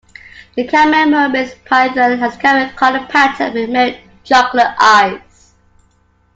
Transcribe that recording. The caramel Burmese python has caramel-coloured pattern with "milk-chocolate" eyes.